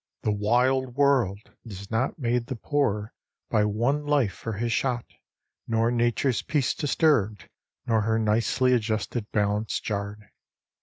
The wild world is not made the poorer by one life for his shot, nor nature's peace disturbed, nor her nicely adjusted balance jarred.